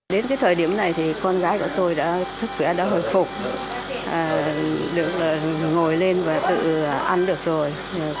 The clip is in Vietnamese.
đến cái thời điểm này thì con gái của tôi đã sức khỏe đã hồi phục được ngồi lên và tự ăn được rồi